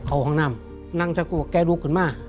พ่อเขาห่างนามนั่งเชื่อกว่าแกรู้กันมาก